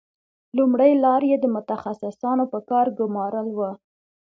لومړۍ لار یې د متخصصانو په کار ګومارل وو